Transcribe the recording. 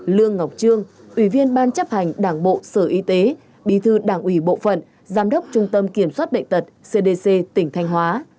lương ngọc trương ủy viên ban chấp hành đảng bộ sở y tế bí thư đảng ủy bộ phận giám đốc trung tâm kiểm soát bệnh tật cdc tỉnh thanh hóa